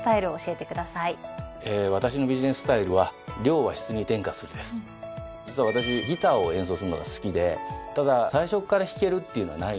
私のビジネススタイルは「量は質に転化する」です。実は私ギターを演奏するのが好きでただ最初っから弾けるっていうのはないんですよね。